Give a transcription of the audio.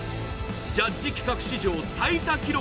ジャッジ企画史上最多記録